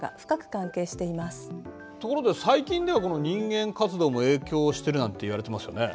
ところで最近では人間活動も影響してるなんていわれていますよね？